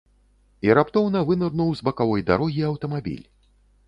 І раптоўна вынырнуў з бакавой дарогі аўтамабіль.